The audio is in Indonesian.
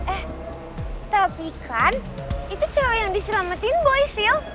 eh tapi kan itu cewek yang diselamatin boy sail